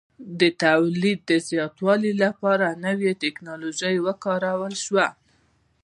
د تولید زیاتوالي لپاره نوې ټکنالوژي وکارول شوه